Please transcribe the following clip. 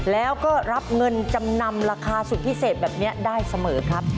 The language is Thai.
แล้วก็รับเงินจำนำราคาสุดพิเศษแบบนี้ได้เสมอครับ